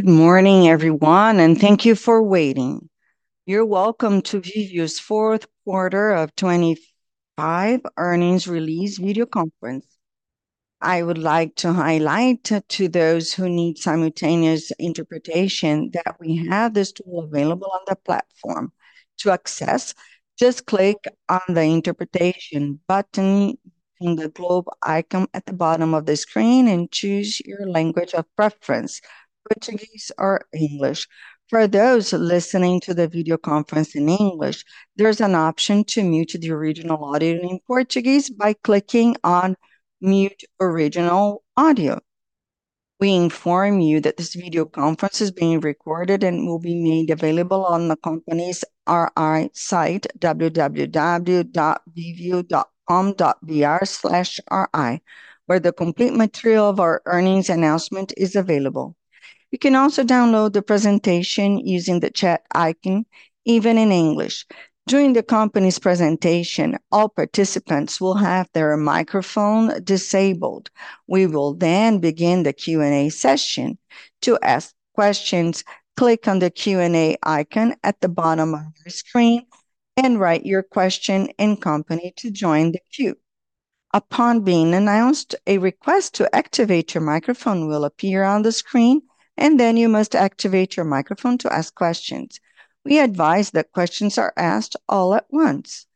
Good morning, everyone, and thank you for waiting. You're welcome to Viveo's fourth quarter of 2025 earnings release video conference. I would like to highlight to those who need simultaneous interpretation that we have this tool available on the platform. To access, just click on the interpretation button in the globe icon at the bottom of the screen and choose your language of preference, Portuguese or English. For those listening to the video conference in English, there's an option to mute the original audio in Portuguese by clicking on "Mute Original Audio." We inform you that this video conference is being recorded and will be made available on the company's RI site, www.viveo.com.br/ri, where the complete material of our earnings announcement is available. You can also download the presentation using the chat icon, even in English. During the company's presentation, all participants will have their microphone disabled. We will begin the Q&A session. To ask questions, click on the Q&A icon at the bottom of your screen and write your question and company to join the queue. Upon being announced, a request to activate your microphone will appear on the screen, you must activate your microphone to ask questions. We advise that questions are asked all at once.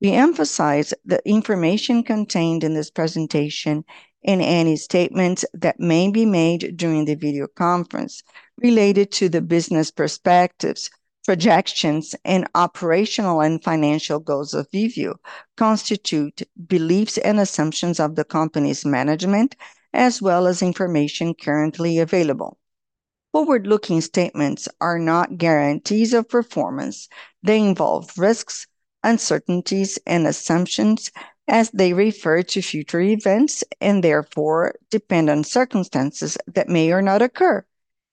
We emphasize the information contained in this presentation and any statements that may be made during the video conference related to the business perspectives, projections, and operational and financial goals of Viveo constitute beliefs and assumptions of the company's management as well as information currently available. Forward-looking statements are not guarantees of performance. They involve risks, uncertainties, and assumptions as they refer to future events and therefore depend on circumstances that may or not occur.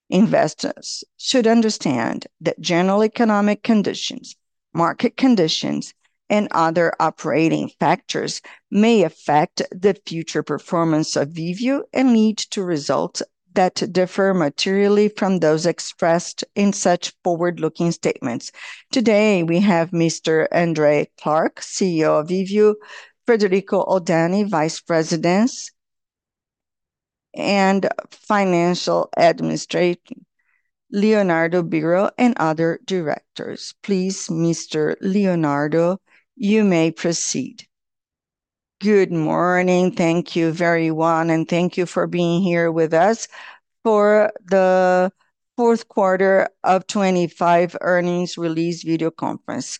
Investors should understand that general economic conditions, market conditions, and other operating factors may affect the future performance of Viveo and lead to results that differ materially from those expressed in such forward-looking statements. Today, we have Mr. André Clark, CEO of Viveo, Frederico Oldani, Vice President and Financial Administrative, Leonardo Byrro, and other directors. Please, Mr. Leonardo, you may proceed. Good morning. Thank you, everyone, and thank you for being here with us for the 4th quarter of 2025 earnings release video conference.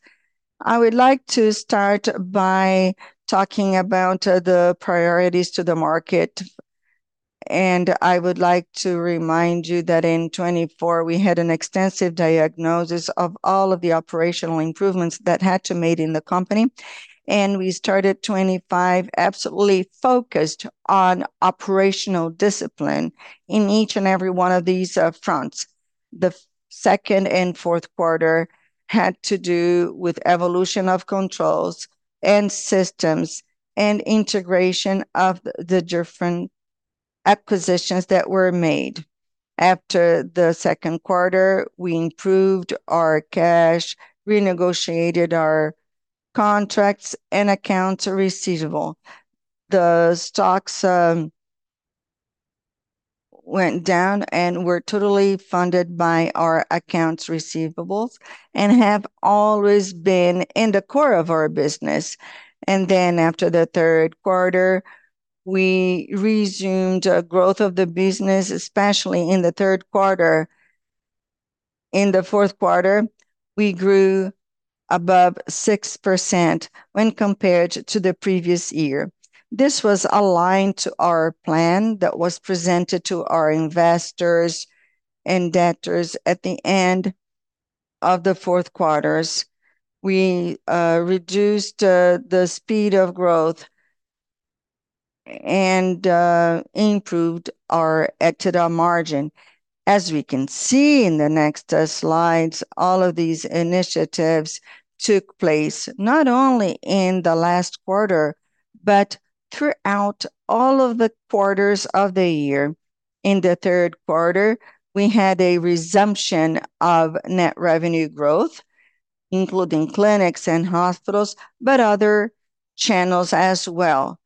I would like to start by talking about the priorities to the market, and I would like to remind you that in 2024 we had an extensive diagnosis of all of the operational improvements that had to made in the company, and we started 2025 absolutely focused on operational discipline in each and every one of these fronts. The second and fourth quarter had to do with evolution of controls and systems and integration of the different acquisitions that were made. After the second quarter, we improved our cash, renegotiated our contracts and accounts receivable. The stocks went down and were totally funded by our accounts receivables and have always been in the core of our business. After the third quarter, we resumed growth of the business, especially in the third quarter. In the fourth quarter, we grew above 6% when compared to the previous year. This was aligned to our plan that was presented to our investors and debtors at the end of the fourth quarters. We reduced the speed of growth and improved our EBITDA margin. As we can see in the next slides, all of these initiatives took place not only in the last quarter, but throughout all of the quarters of the year. In the third quarter, we had a resumption of net revenue growth, including clinics and hospitals, but other channels as well.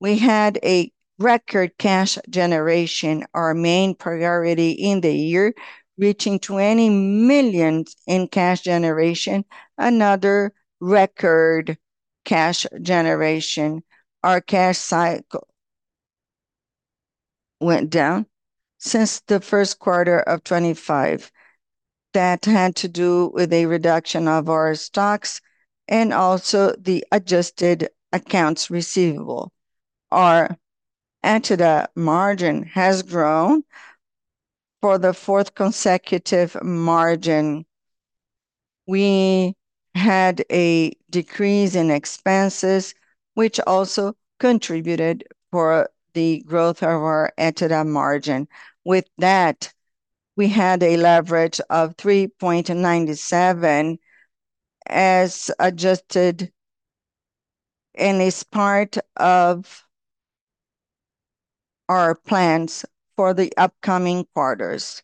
We had a record cash generation, our main priority in the year, reaching 20 million in cash generation, another record cash generation. Our cash cycle went down since the first quarter of 2025. That had to do with a reduction of our stocks and also the adjusted accounts receivable. Our EBITDA margin has grown for the fourth consecutive margin. We had a decrease in expenses, which also contributed for the growth of our EBITDA margin. With that, we had a leverage of 3.97x as adjusted. It's part of our plans for the upcoming quarters.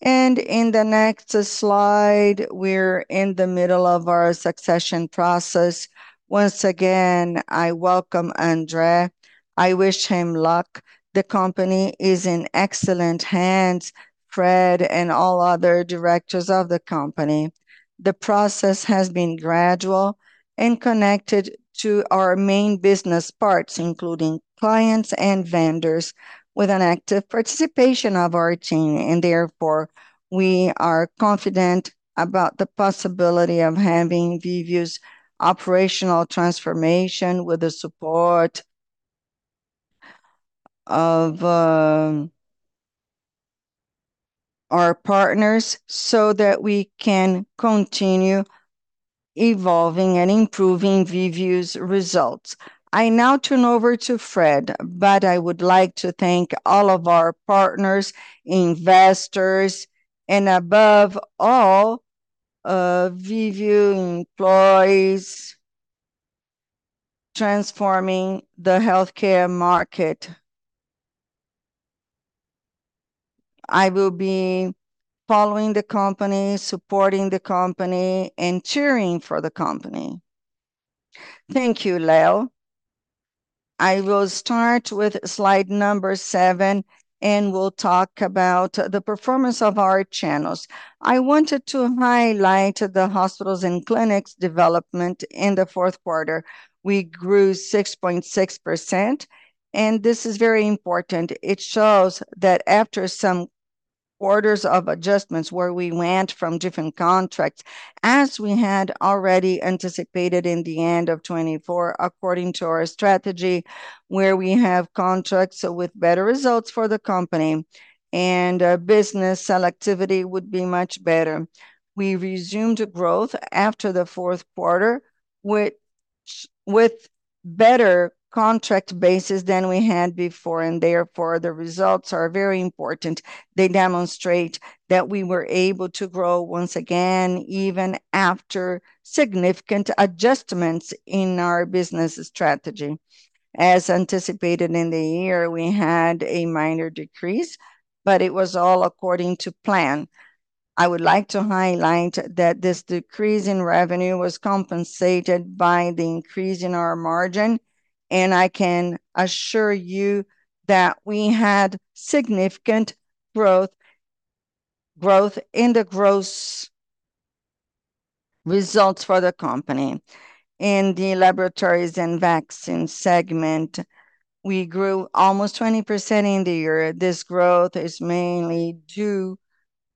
In the next slide, we're in the middle of our succession process. Once again, I welcome André. I wish him luck. The company is in excellent hands, Fred and all other directors of the company. The process has been gradual and connected to our main business parts, including clients and vendors, with an active participation of our team. Therefore, we are confident about the possibility of having Viveo's operational transformation with the support of our partners so that we can continue evolving and improving Viveo's results. I now turn over to Fred, but I would like to thank all of our partners, investors, and above all, Viveo employees transforming the healthcare market. I will be following the company, supporting the company, and cheering for the company. Thank you, Leo. I will start with slide number seven, and we'll talk about the performance of our channels. I wanted to highlight the hospitals and clinics development in the fourth quarter. We grew 6.6%. This is very important. It shows that after some orders of adjustments where we went from different contracts, as we had already anticipated in the end of 2024 according to our strategy, where we have contracts with better results for the company, our business selectivity would be much better. We resumed growth after the fourth quarter, with better contract bases than we had before. Therefore the results are very important. They demonstrate that we were able to grow once again, even after significant adjustments in our business strategy. As anticipated in the year, we had a minor decrease. It was all according to plan. I would like to highlight that this decrease in revenue was compensated by the increase in our margin, and I can assure you that we had significant growth in the gross results for the company. In the Laboratories and Vaccine segment, we grew almost 20% in the year. This growth is mainly due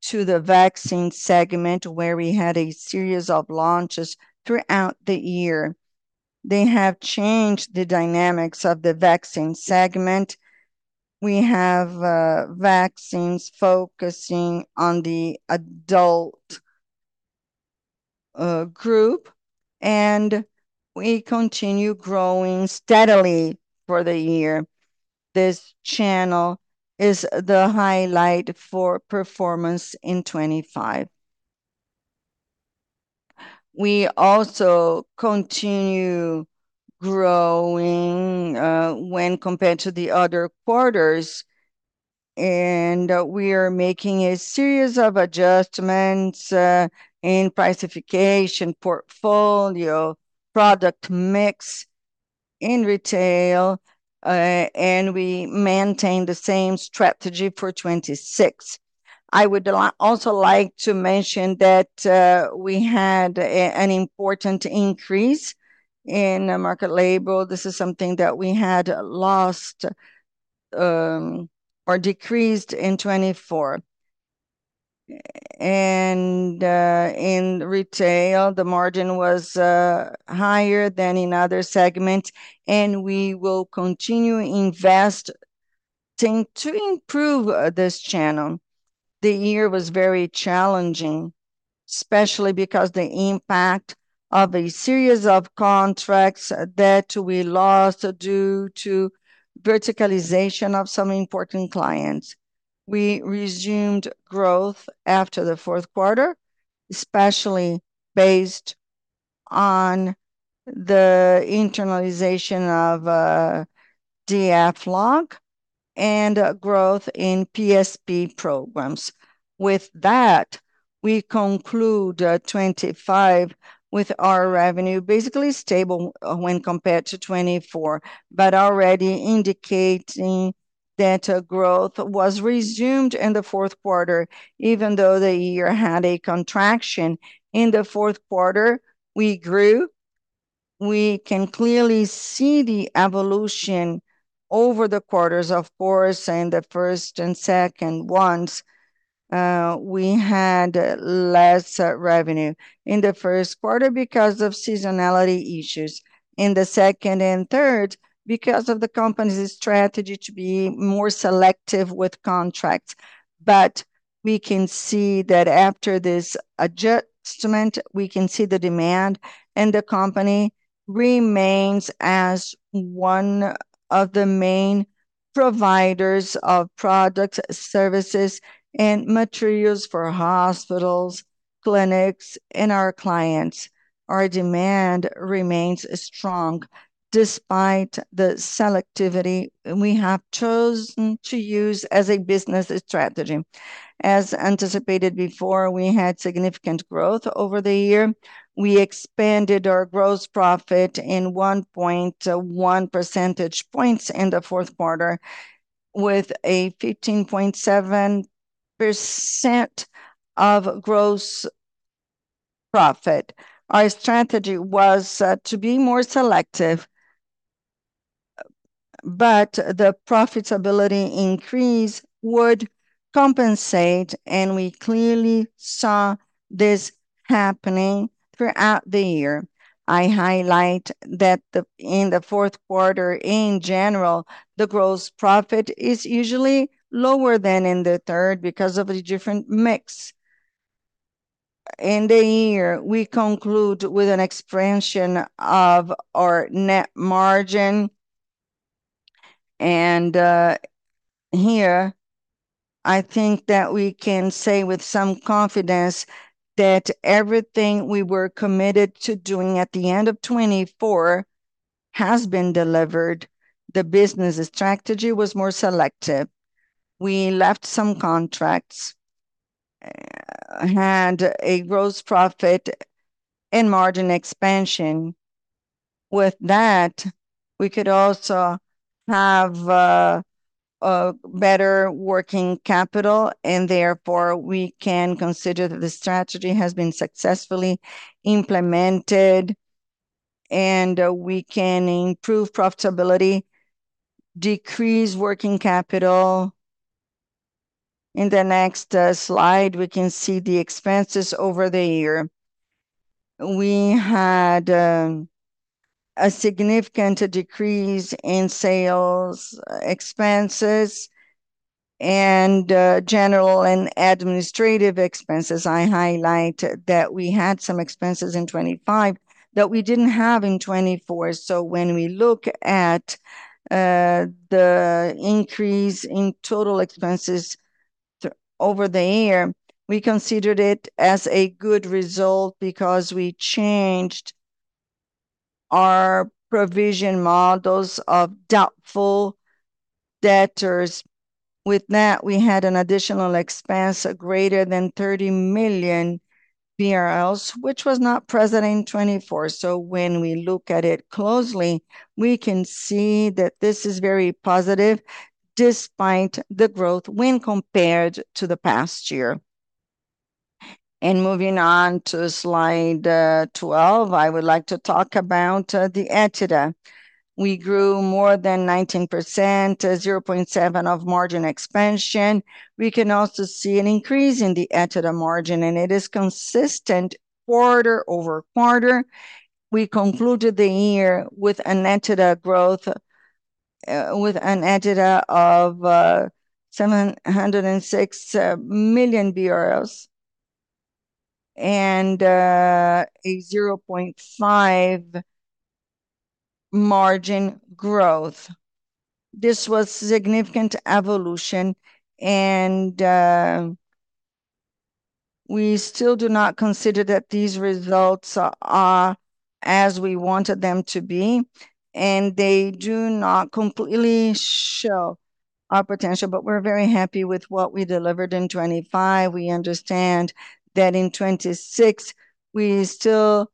to the Vaccine segment, where we had a series of launches throughout the year. They have changed the dynamics of the Vaccine segment. We have vaccines focusing on the adult group, and we continue growing steadily for the year. This channel is the highlight for performance in 2025. We also continue growing when compared to the other quarters, and we are making a series of adjustments in price-ification, portfolio, product mix in retail, and we maintain the same strategy for 2026. I would also like to mention that we had an important increase in market label. This is something that we had lost or decreased in 2024. In retail, the margin was higher than in other segments, and we will continue invest to improve this channel. The year was very challenging, especially because the impact of a series of contracts that we lost due to verticalization of some important clients. We resumed growth after the fourth quarter, especially based on the internalization of DFLog and growth in PSP programs. With that, we conclude 2025 with our revenue basically stable when compared to 2024, but already indicating that growth was resumed in the fourth quarter, even though the year had a contraction. In the fourth quarter, we grew. We can clearly see the evolution over the quarters. Of course, in the first and second ones, we had less revenue. In the first quarter because of seasonality issues, in the second and third because of the company's strategy to be more selective with contracts. We can see that after this adjustment, we can see the demand, and the company remains as one of the main providers of products, services, and materials for hospitals, clinics, and our clients. Our demand remains strong despite the selectivity we have chosen to use as a business strategy. As anticipated before, we had significant growth over the year. We expanded our gross profit in 1.1 percentage points in the fourth quarter with a 15.7% of gross profit. Our strategy was to be more selective, but the profitability increase would compensate, and we clearly saw this happening throughout the year. I highlight that in the fourth quarter, in general, the gross profit is usually lower than in the third because of the different mix. In the year, we conclude with an expansion of our net margin. Here I think that we can say with some confidence that everything we were committed to doing at the end of 2024 has been delivered. The business' strategy was more selective. We left some contracts, had a gross profit and margin expansion. With that, we could also have a better working capital and therefore we can consider that the strategy has been successfully implemented, and we can improve profitability, decrease working capital. In the next slide, we can see the expenses over the year. We had a significant decrease in sales expenses and general and administrative expenses. I highlight that we had some expenses in 2025 that we didn't have in 2024. When we look at the increase in total expenses over the year, we considered it as a good result because we changed our provision models of doubtful debtors. With that, we had an additional expense of greater than 30 million BRL, which was not present in 2024. When we look at it closely, we can see that this is very positive despite the growth when compared to the past year. Moving on to slide 12, I would like to talk about the EBITDA. We grew more than 19%, 0.7% of margin expansion. We can also see an increase in the EBITDA margin, and it is consistent quarter-over-quarter. We concluded the year with an EBITDA of 706 million BRL and a 0.5% margin growth. This was significant evolution and we still do not consider that these results are as we wanted them to be, and they do not completely show our potential, but we're very happy with what we delivered in 2025. We understand that in 2026 we still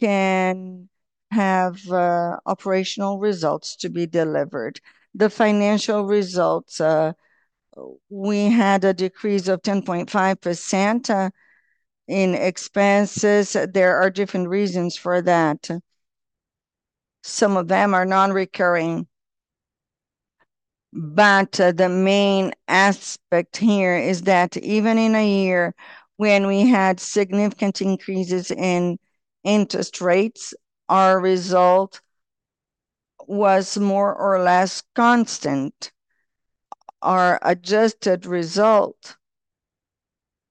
can have operational results to be delivered. The financial results, we had a decrease of 10.5% in expenses. There are different reasons for that. Some of them are non-recurring. The main aspect here is that even in a year when we had significant increases in interest rates, our result was more or less constant. Our adjusted result,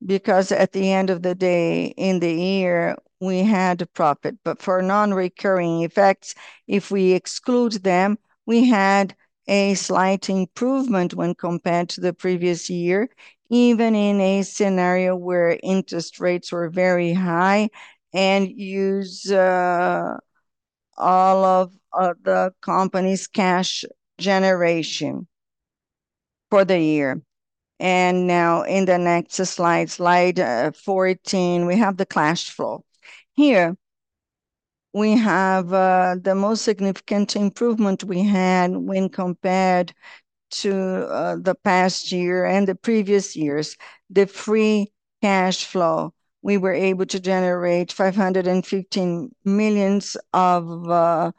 at the end of the day in the year we had a profit. For non-recurring effects, if we exclude them, we had a slight improvement when compared to the previous year, even in a scenario where interest rates were very high and use all of the company's cash generation for the year. Now in the next slide 14, we have the cash flow. Here we have the most significant improvement we had when compared to the past year and the previous years. The free cash flow, we were able to generate 515 million of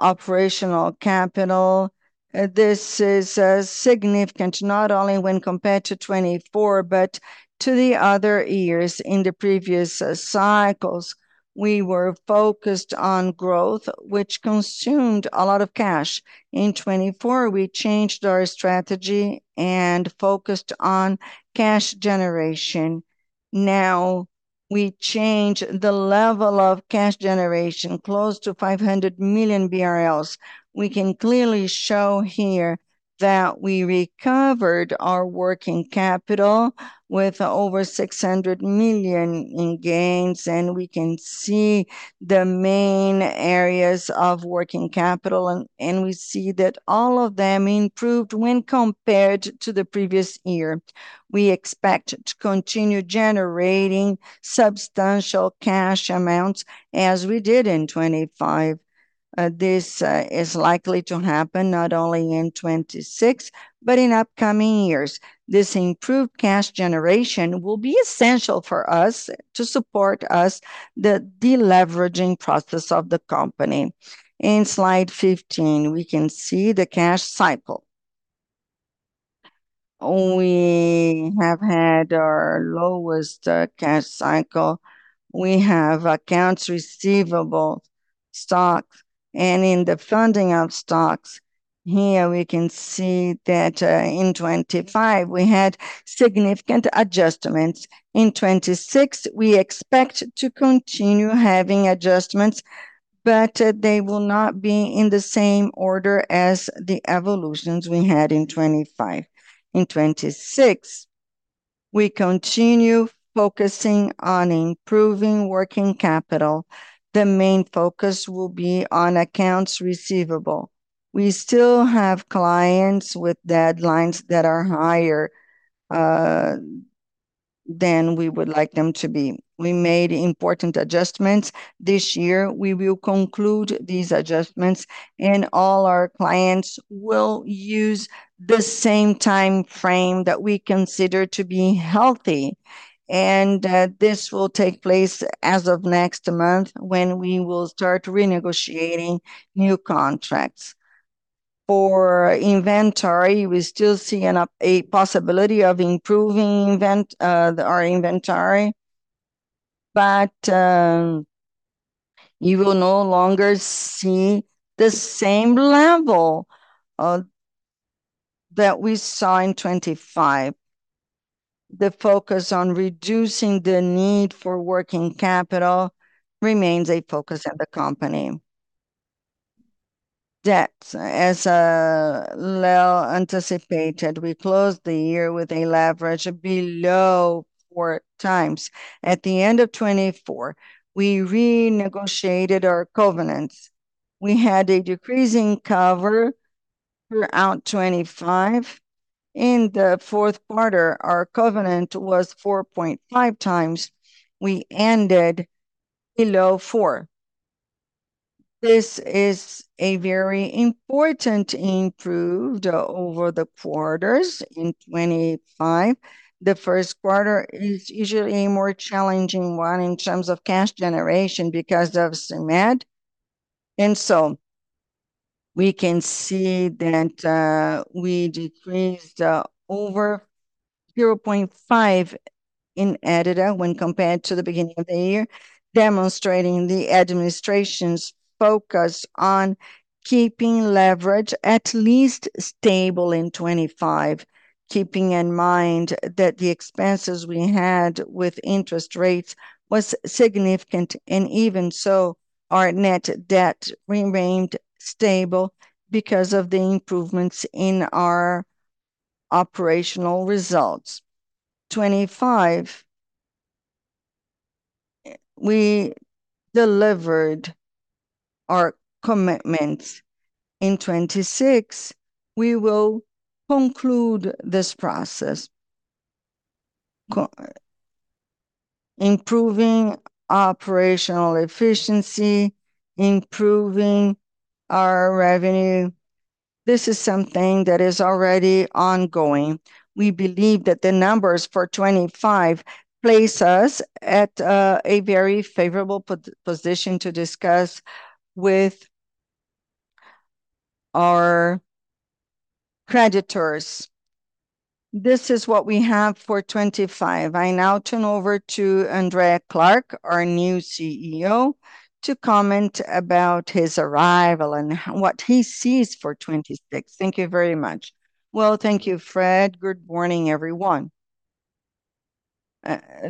operational capital. This is significant not only when compared to 2024, but to the other years in the previous cycles. We were focused on growth, which consumed a lot of cash. In 2024 we changed our strategy and focused on cash generation. Now we change the level of cash generation close to 500 million BRL. We can clearly show here that we recovered our working capital with over 600 million in gains. We can see the main areas of working capital and we see that all of them improved when compared to the previous year. We expect to continue generating substantial cash amounts as we did in 2025. This is likely to happen not only in 2026, but in upcoming years. This improved cash generation will be essential for us to support the deleveraging process of the company. In slide 15, we can see the cash cycle. We have had our lowest cash cycle. We have accounts receivable, stocks, and in the funding of stocks, here we can see that in 2025 we had significant adjustments. In 2026, we expect to continue having adjustments, but they will not be in the same order as the evolutions we had in 2025. In 2026, we continue focusing on improving working capital. The main focus will be on accounts receivable. We still have clients with deadlines that are higher than we would like them to be. We made important adjustments this year. We will conclude these adjustments, and all our clients will use the same timeframe that we consider to be healthy, and this will take place as of next month when we will start renegotiating new contracts. For inventory, we still see a possibility of improving our inventory, but you will no longer see the same level that we saw in 2025. The focus on reducing the need for working capital remains a focus of the company. Debt. As Leo anticipated, we closed the year with a leverage below 4x. At the end of 2024, we renegotiated our covenants. We had a decreasing cover throughout 2025. In the fourth quarter, our covenant was 4.5x. We ended below 4x. This is a very important improved over the quarters in 2025. The first quarter is usually a more challenging one in terms of cash generation because of CEMAD. We can see that we decreased over 0.5x in EBITDA when compared to the beginning of the year, demonstrating the administration's focus on keeping leverage at least stable in 2025, keeping in mind that the expenses we had with interest rates was significant and even so, our net debt remained stable because of the improvements in our operational results. 2025, we delivered our commitments. In 2026, we will conclude this process. Improving operational efficiency, improving our revenue, this is something that is already ongoing. We believe that the numbers for 2025 place us at a very favorable position to discuss with our creditors. This is what we have for 2025. I now turn over to André Clark, our new CEO, to comment about his arrival and what he sees for 2026. Thank you very much. Well, thank you, Fred. Good morning, everyone.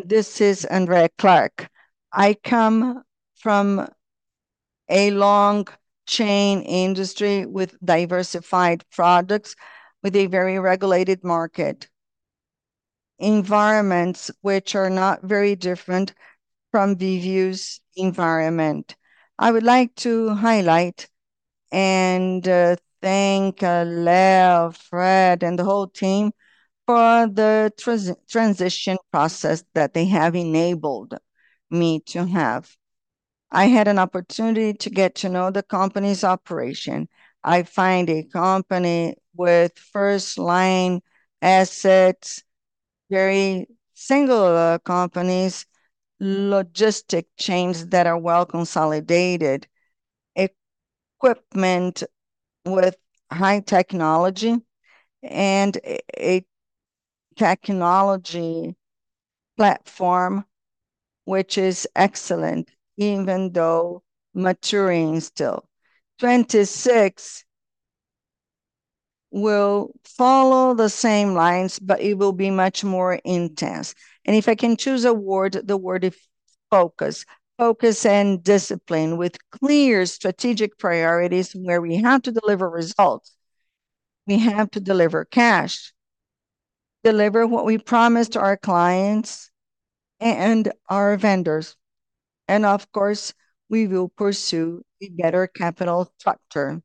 This is André Clark. I come from a long chain industry with diversified products with a very regulated market. Environments which are not very different from Viveo's environment. I would like to highlight and thank Leo, Fred, and the whole team for the transition process that they have enabled me to have. I had an opportunity to get to know the company's operation. I find a company with first-line assets, very singular companies, logistic chains that are well consolidated, equipment with high technology, and a technology platform which is excellent, even though maturing still. 2026 will follow the same lines, but it will be much more intense. If I can choose a word, the word is focus. Focus and discipline with clear strategic priorities where we have to deliver results. We have to deliver cash, deliver what we promised our clients and our vendors. Of course, we will pursue a better capital structure.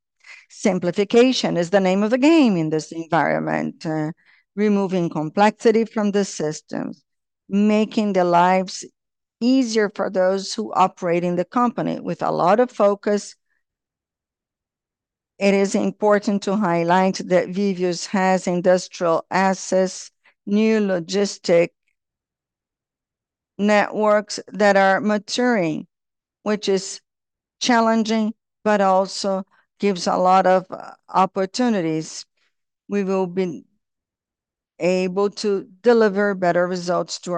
Simplification is the name of the game in this environment, removing complexity from the systems, making the lives easier for those who operate in the company with a lot of focus. It is important to highlight that Viveo has industrial assets, new logistic networks that are maturing, which is challenging, but also gives a lot of opportunities. We will be able to deliver better results to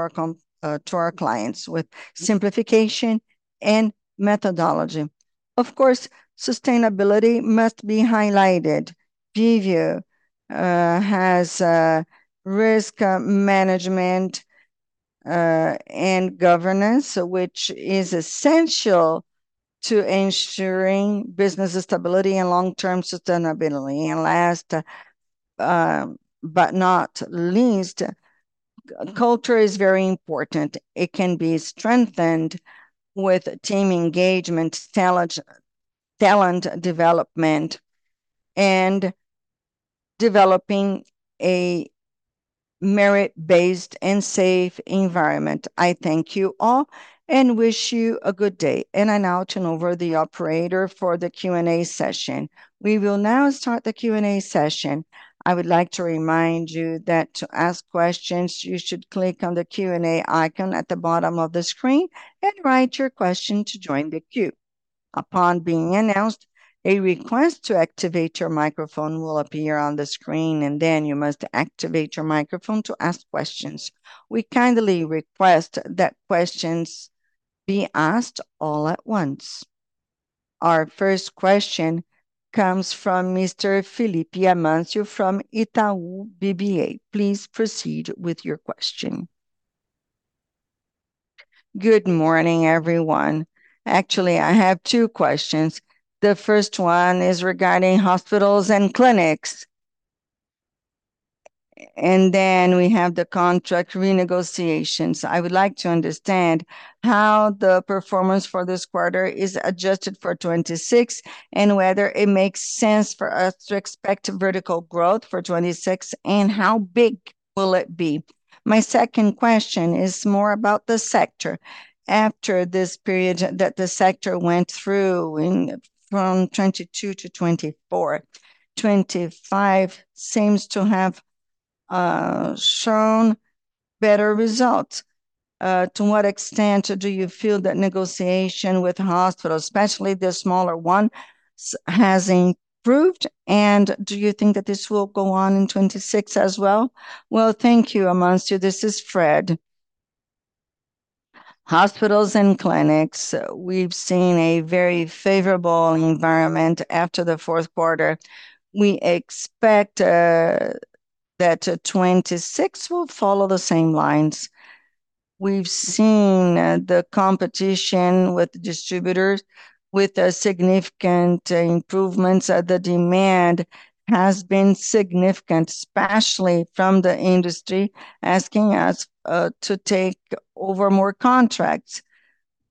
our clients with simplification and methodology. Of course, sustainability must be highlighted. Viveo has a risk management and governance, which is essential to ensuring business stability and long-term sustainability. Last, but not least, culture is very important. It can be strengthened with team engagement, talent development and developing a merit-based and safe environment. I thank you all and wish you a good day. I now turn over the operator for the Q&A session. We will now start the Q&A session. I would like to remind you that to ask questions, you should click on the Q&A icon at the bottom of the screen and write your question to join the queue. Upon being announced, a request to activate your microphone will appear on the screen, then you must activate your microphone to ask questions. We kindly request that questions be asked all at once. Our first question comes from Mr. Felipe Amancio from Itaú BBA. Please proceed with your question. Good morning, everyone. Actually, I have two questions. The first one is regarding hospitals and clinics. Then we have the contract renegotiations. I would like to understand how the performance for this quarter is adjusted for 2026, and whether it makes sense for us to expect vertical growth for 2026, and how big will it be. My second question is more about the sector. After this period that the sector went through in from 2022 to 2024, 2025 seems to have shown better results. To what extent do you feel that negotiation with hospitals, especially the smaller ones, has improved, and do you think that this will go on in 2026 as well? Well, thank you, Amancio. This is Fred. Hospitals and clinics, we've seen a very favorable environment after the fourth quarter. We expect that 2026 will follow the same lines. We've seen the competition with distributors, the demand has been significant, especially from the industry asking us to take over more contracts.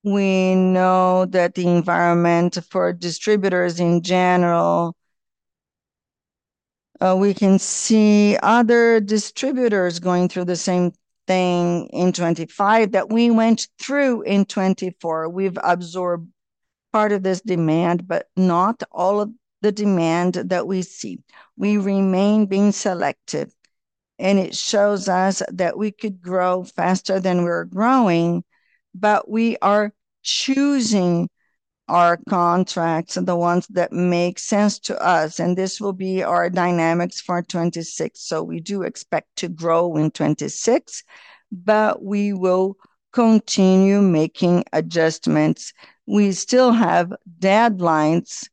We know that the environment for distributors in general, we can see other distributors going through the same thing in 2025 that we went through in 2024. We've absorbed part of this demand, but not all of the demand that we see. We remain being selective, and it shows us that we could grow faster than we're growing, but we are choosing our contracts and the ones that make sense to us, and this will be our dynamics for 2026. We do expect to grow in 2026, but we will continue making adjustments. We still have deadlines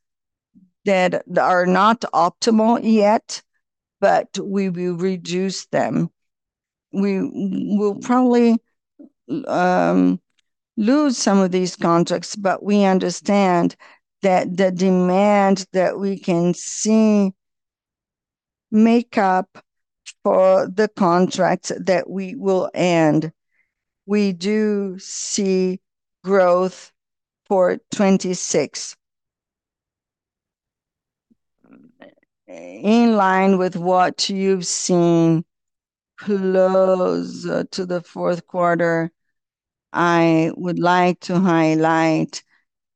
that are not optimal yet, but we will reduce them. We will probably lose some of these contracts, but we understand that the demand that we can see make up for the contracts that we will end. We do see growth for 2026. In line with what you've seen close to the fourth quarter, I would like to highlight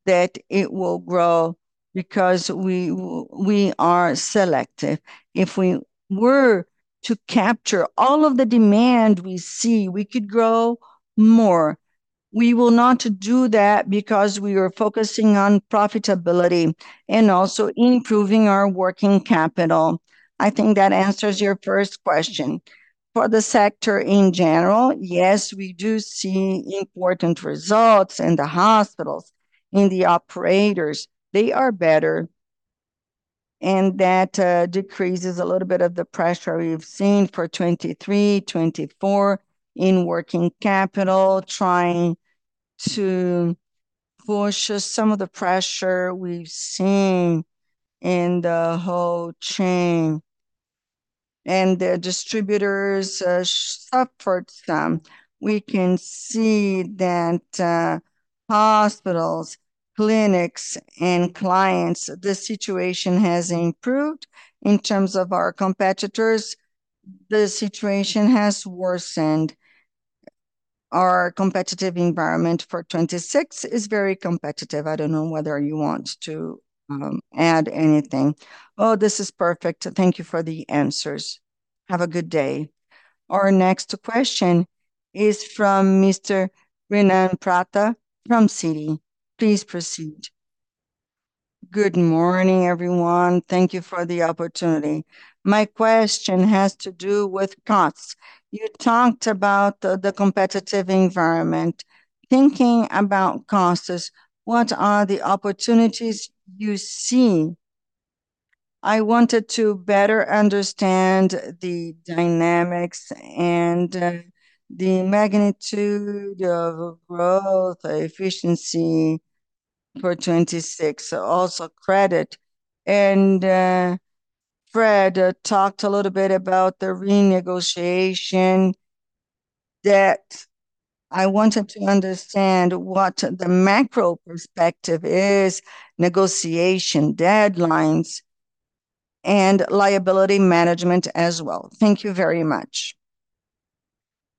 that it will grow because we are selective. If we were to capture all of the demand we see, we could grow more. We will not do that because we are focusing on profitability and also improving our working capital. I think that answers your first question. For the sector in general, yes, we do see important results in the hospitals, in the operators. They are better. That decreases a little bit of the pressure we've seen for 2023, 2024 in working capital, trying to push some of the pressure we've seen in the whole chain. The distributors suffered some. We can see that hospitals, clinics, and clients, the situation has improved. In terms of our competitors, the situation has worsened. Our competitive environment for 2026 is very competitive. I don't know whether you want to add anything. Oh, this is perfect. Thank you for the answers. Have a good day. Our next question is from Mr. Renan Prata from Citi. Please proceed. Good morning, everyone. Thank you for the opportunity. My question has to do with costs. You talked about the competitive environment. Thinking about costs, what are the opportunities you see? I wanted to better understand the dynamics and the magnitude of growth, efficiency for 2026, also credit. Fred talked a little bit about the renegotiation debt. I wanted to understand what the macro perspective is, negotiation deadlines, and liability management as well. Thank you very much.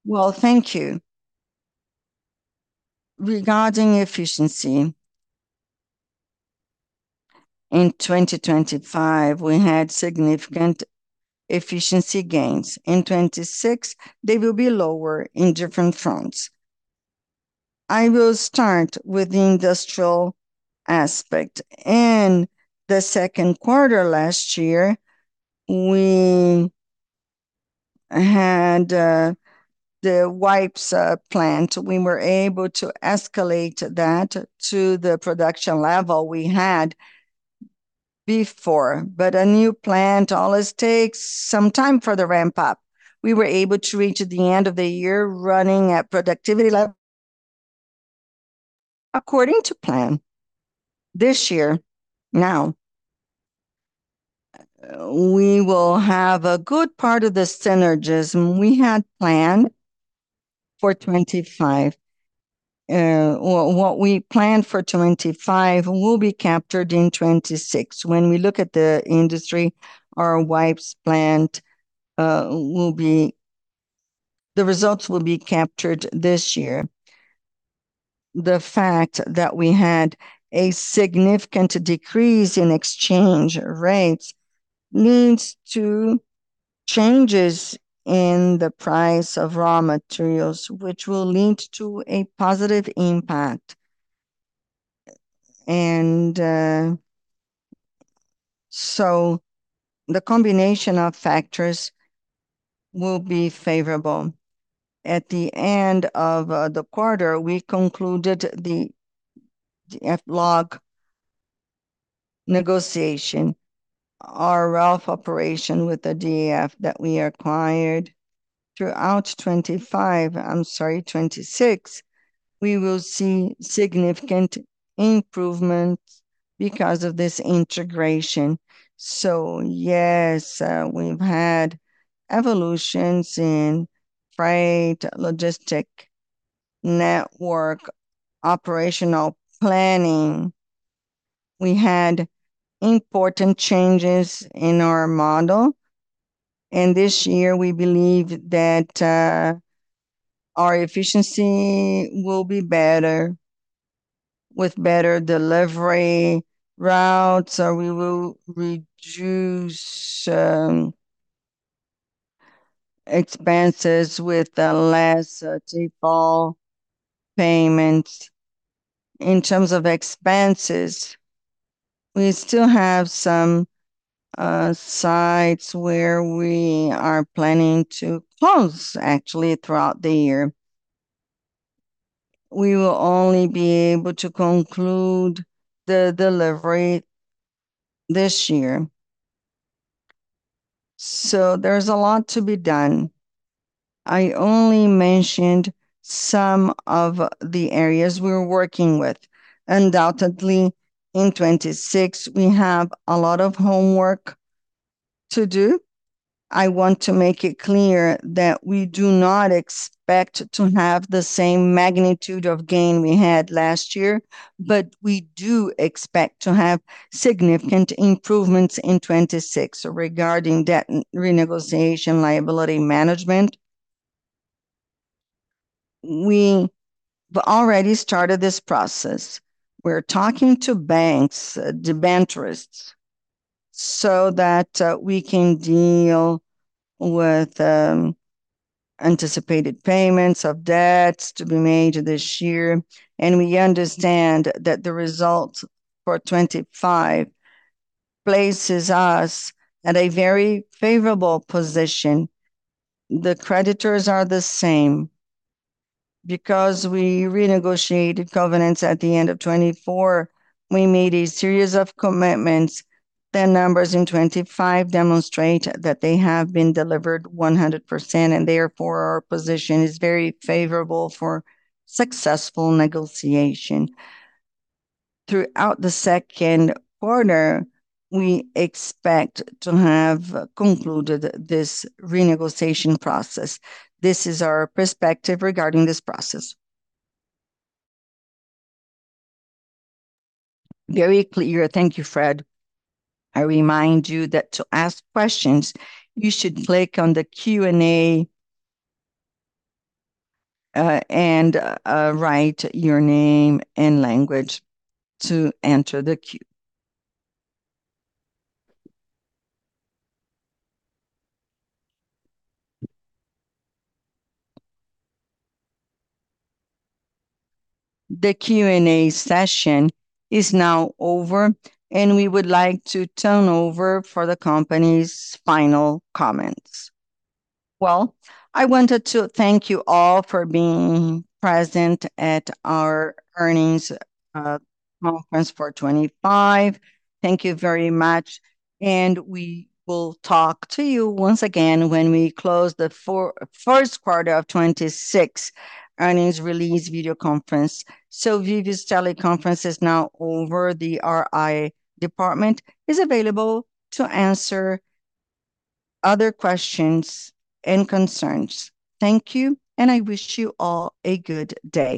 Well, thank you. Regarding efficiency, in 2025 we had significant efficiency gains. In 2026 they will be lower in different fronts. I will start with the industrial aspect. In the second quarter last year, we had, the wipes, plant. We were able to escalate that to the production level we had before. A new plant always takes some time for the ramp-up. We were able to reach at the end of the year running at productivity level according to plan. This year, now, we will have a good part of the synergism we had planned for 2025. Or what we planned for 2025 will be captured in 2026. When we look at the industry, our wipes plant, will be—the results will be captured this year. The fact that we had a significant decrease in exchange rates leads to changes in the price of raw materials, which will lead to a positive impact. So the combination of factors will be favorable. At the end of the quarter, we concluded the DFLog negotiation. Our RFL operation with the DF that we acquired throughout 2025, I'm sorry, 2026, we will see significant improvements because of this integration. Yes, we've had evolutions in freight, logistic network, operational planning. We had important changes in our model. This year we believe that our efficiency will be better with better delivery routes or we will reduce expenses with the less default payments. In terms of expenses, we still have some sites where we are planning to close actually throughout the year. We will only be able to conclude the delivery this year. There's a lot to be done. I only mentioned some of the areas we're working with. Undoubtedly, in 2026 we have a lot of homework to do. I want to make it clear that we do not expect to have the same magnitude of gain we had last year, but we do expect to have significant improvements in 2026 regarding debt renegotiation, liability management. We've already started this process. We're talking to banks, debenturists, so that we can deal with anticipated payments of debts to be made this year. We understand that the results for 2025 places us at a very favorable position. The creditors are the same. Because we renegotiated covenants at the end of 2024, we made a series of commitments. The numbers in 2025 demonstrate that they have been delivered 100%, and therefore our position is very favorable for successful negotiation. Throughout the second quarter, we expect to have concluded this renegotiation process. This is our perspective regarding this process. Very clear. Thank you, Fred. I remind you that to ask questions, you should click on the Q&A, write your name and language to enter the queue. The Q&A session is now over, we would like to turn over for the company's final comments. I wanted to thank you all for being present at our earnings conference for 2025. Thank you very much, we will talk to you once again when we close the first quarter of 2026 earnings release video conference. Viveo teleconference is now over. The RI department is available to answer other questions and concerns. Thank you, I wish you all a good day.